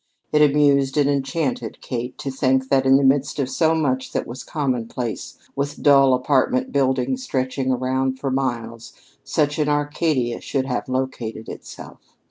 It amused and enchanted Kate to think that in the midst of so much that was commonplace, with dull apartment buildings stretching around for miles, such an Arcadia should have located itself.